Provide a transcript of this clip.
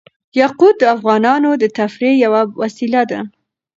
یاقوت د افغانانو د تفریح یوه وسیله ده.